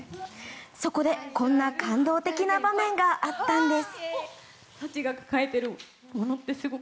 そこで、こんな感動的な場面があったんです。